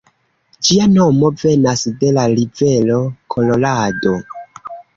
Ĝia nomo venas de la rivero Kolorado.